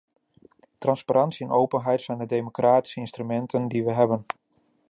Transparantie en openheid zijn de democratische instrumenten die we hebben.